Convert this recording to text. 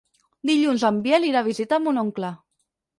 Dilluns en Biel irà a visitar mon oncle.